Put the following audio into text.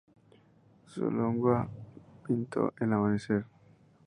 Zuloaga pintó "El amanecer".